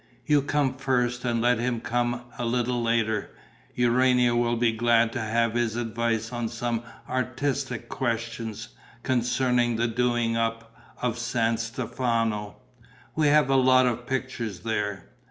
"You come first and let him come a little later. Urania will be glad to have his advice on some artistic questions, concerning the 'doing up' of San Stefano. We have a lot of pictures there.